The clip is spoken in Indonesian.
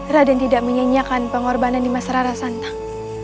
raden tidak menyinyakan pengorbanan di mas rara santang